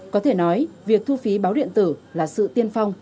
có thể nói việc thu phí báo điện tử là sự tiên phong